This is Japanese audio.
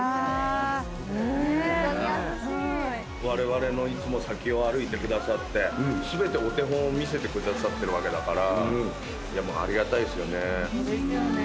われわれのいつも先を歩いてくださって全てお手本を見せてくださってるわけだからありがたいですよね。